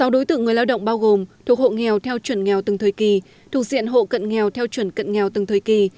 sáu đối tượng người lao động bao gồm thuộc hộ nghèo theo chuẩn nghèo từng thời kỳ thuộc diện hộ cận nghèo theo chuẩn cận nghèo từng thời kỳ